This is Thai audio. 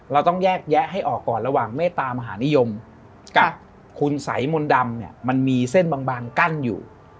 เราต้องแยกแยะให้ออกก่อนระหว่างเมตตามหานิยมกับคุณสัยมนต์ดำเนี่ยมันมีเส้นบางกั้นอยู่